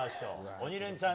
「鬼レンチャン」